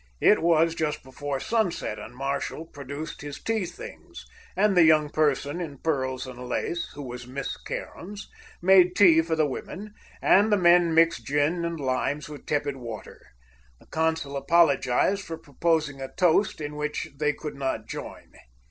It was just before sunset, and Marshall produced his tea things, and the young person in pearls and lace, who was Miss Cairns, made tea for the women, and the men mixed gin and limes with tepid water. The consul apologized for proposing a toast in which they could not join.